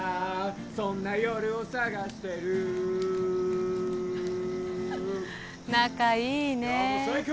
そんな夜を探してる仲いいね今日も最高！